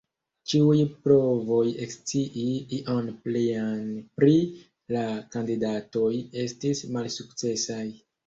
Ĉiuj provoj ekscii ion plian pri la kandidatoj estis malsukcesaj.